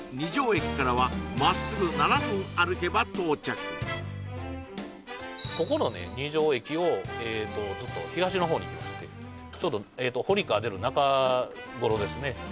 駅からはまっすぐ７分歩けば到着ここのね二条駅をずっと東の方に行きましてちょうど堀川出る中頃ですね